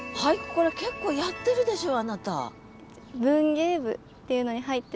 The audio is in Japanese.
これ結構やってるでしょあなた。